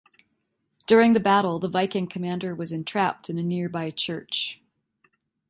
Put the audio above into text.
During the battle the Viking commander was entrapped in a nearby church.